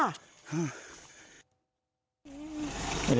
ไอ้แม่